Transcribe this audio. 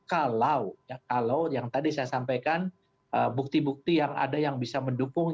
kalau yang tadi saya sampaikan bukti bukti yang ada yang bisa mendukung